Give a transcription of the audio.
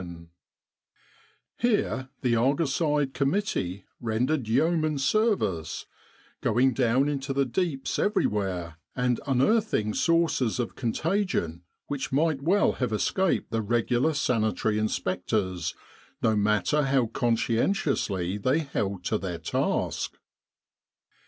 in Egypt Here, the argus eyed committee rendered yeoman's service, going down into the deeps everywhere, and unearthing sources of contagion which might well have escaped the regular Sanitary Inspectors, no matter how conscientiously they held to their task.